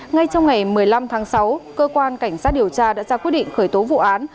ngay trong ngày một mươi năm tháng sáu cơ quan cảnh sát điều tra đã ra quyết định khởi tố vụ án